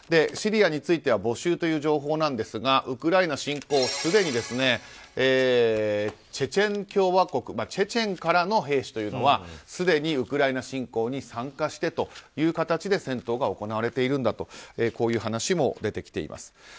シリアについては募集という情報なんですがウクライナ侵攻すでにチェチェン共和国チェチェンからの兵士というのはすでにウクライナ侵攻に参加している形で戦闘が行われているんだというこういう話も出てきています。